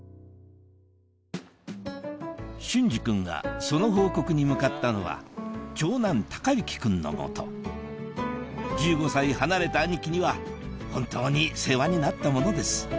隼司君がその報告に向かったのは長男孝之君の元１５歳離れた兄貴には本当に世話になったものです